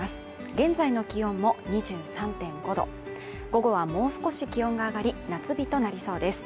現在の気温も２３．５度、午後はもう少し気温が上がり、夏日となりそうです。